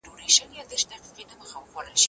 هند د سلما بند د ساتنې لپاره څه ډول مرسته کولای سي؟